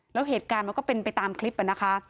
แล้วเหตุการณ์มันก็เป็นไปตามคลิปนะคะ